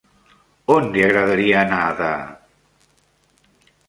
On li agradaria anar de??